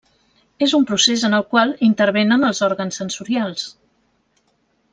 És un procés en el qual intervenen els òrgans sensorials.